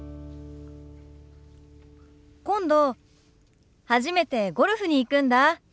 今度初めてゴルフに行くんだ。